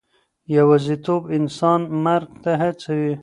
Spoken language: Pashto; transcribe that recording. يوازيتوب انسان مرګ ته هڅوي.